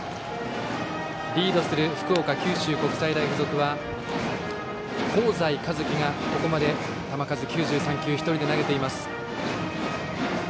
リードする九州国際大付属は香西一希がここまで球数９３球１人で投げています。